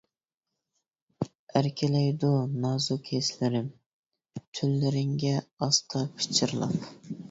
ئەركىلەيدۇ نازۇك ھېسلىرىم، تۈنلىرىڭگە ئاستا پىچىرلاپ.